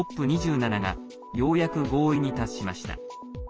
ＣＯＰ２７がようやく合意に達しました。